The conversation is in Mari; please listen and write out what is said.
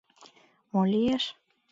Мо лиеш?